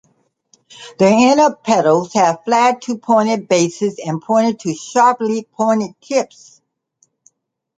The inner petals have flat to pointed bases and pointed to sharply pointed tips.